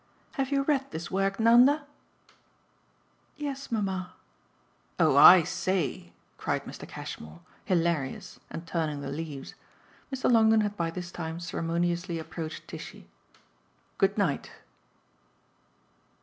"Have you read this work, Nanda?" "Yes mamma." "Oh I say!" cried Mr. Cashmore, hilarious and turning the leaves. Mr. Longdon had by this time ceremoniously approached Tishy. "Good night."